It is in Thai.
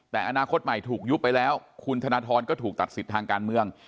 แต่อนาคตใหม่ถูกยุบไปแล้วคุณธนทรก็ถูกตัดสิทธิ์ทางการเมือง